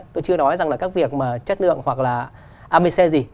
tôi chưa nói rằng là các việc mà chất lượng hoặc là amic gì